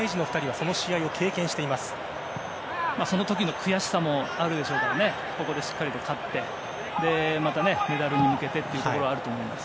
その時の悔しさもあるでしょうからここでしっかりと勝ってまた、メダルに向けてというところはあると思います。